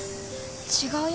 違うよ。